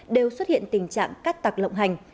đều xuất hiện tình trạng cắt tặc lộng hành